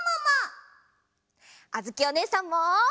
あづきおねえさんも！